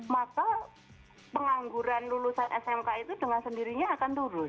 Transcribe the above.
maka pengangguran lulusan smk itu dengan sendirinya akan turun